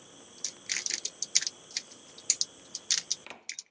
历代祖师的注解是对种种争议的最好回复。